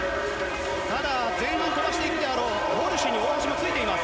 ただ、前半飛ばしていくであろう、ウォルシュに大橋もついています。